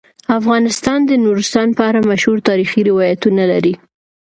افغانستان د نورستان په اړه مشهور تاریخی روایتونه لري.